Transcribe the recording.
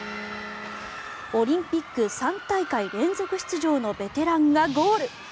オリンピック３大会連続出場のベテランがゴール。